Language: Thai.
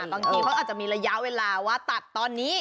บางทีเขาอาจจะมีระยะเวลาว่าตัดตอนนี้